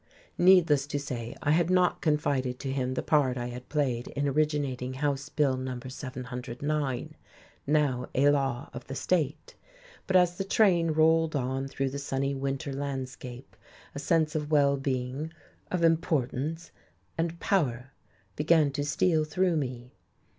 Needless to say, I had not confided to him the part I had played in originating House Bill No. 709, now a law of the state. But as the train rolled on through the sunny winter landscape a sense of well being, of importance and power began to steal through me.